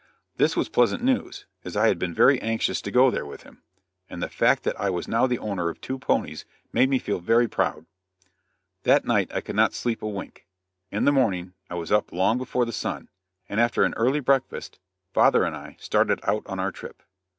This was pleasant news, as I had been very anxious to go there with him, and the fact that I was now the owner of two ponies made me feel very proud. That night I could not sleep a wink. In the morning I was up long before the sun, and after an early breakfast, father and I started out on our trip.